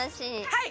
はい。